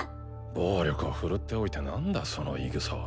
暴力を振るっておいてなんだその言いぐさは。